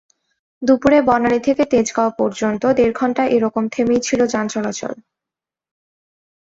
দুপুরে বনানী থেকে তেজগাঁও পর্যন্ত দেড় ঘণ্টা একরকম থেমেই ছিল যান চলাচল।